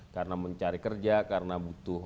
karena mencari kerja karena butuh